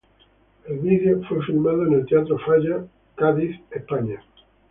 En el video fue filmado en Teatro theater en Oxnard, California, Estados Unidos.